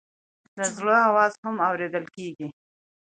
د زړه آواز هم اورېدل کېږي.